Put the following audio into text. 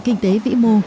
kinh tế vĩ mô